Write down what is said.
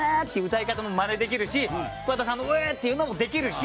歌い方もマネできるし桑田さんの「ウワ」っていうのもできるし。